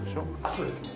そうですね。